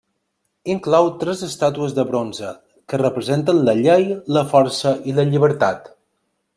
Inclou tres estàtues de bronze que representen la Llei, la Força i la Llibertat.